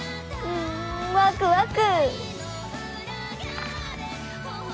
んんワクワク！